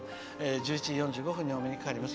１１時４５分にお目にかかります。